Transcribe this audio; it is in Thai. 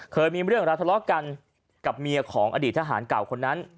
เคยมีเรื่องราวทะเลาะกันกับเมียของอดีตทหารเก่าคนนั้น